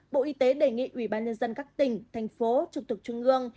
bộ y tế đề nghị ubnd các tỉnh thành phố trực tục trung ương